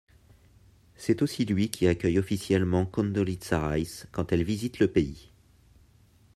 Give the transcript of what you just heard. C'est aussi lui qui accueille officiellement Condoleezza Rice quand elle visite le pays.